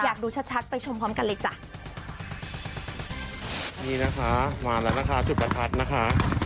ดูชัดชัดไปชมพร้อมกันเลยจ้ะนี่นะคะมาแล้วนะคะจุดประทัดนะคะ